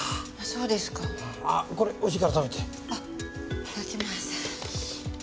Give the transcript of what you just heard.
いただきます。